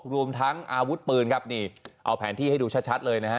รวมทั้งอาวุธปืนครับนี่เอาแผนที่ให้ดูชัดเลยนะฮะ